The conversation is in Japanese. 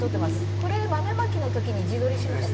これ、豆まきのときに自撮りしました。